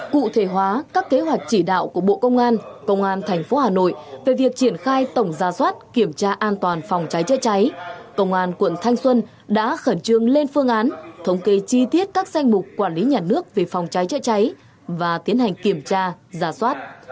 cụ thể hóa các kế hoạch chỉ đạo của bộ công an công an tp hà nội về việc triển khai tổng ra soát kiểm tra an toàn phòng cháy chữa cháy công an quận thanh xuân đã khẩn trương lên phương án thống kê chi tiết các danh mục quản lý nhà nước về phòng cháy chữa cháy và tiến hành kiểm tra giả soát